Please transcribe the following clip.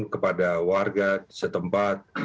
kepada warga setempat